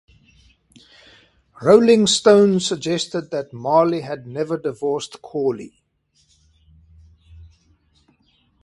"Rolling Stone" suggested that Marley had never divorced Khawly.